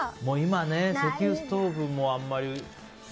今ね、石油ストーブもあんまり。